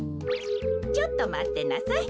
ちょっとまってなさい。